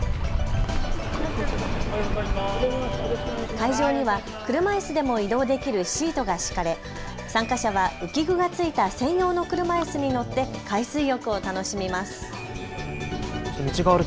会場には車いすでも移動できるシートが敷かれ参加者は浮き具がついた専用の車いすに乗って海水浴を楽しみます。